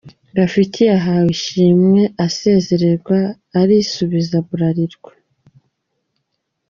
Rafiki yahawe ishimwe asezererwa arisubiza Bralirwa.